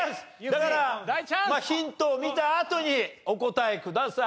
だからヒントを見たあとにお答えください。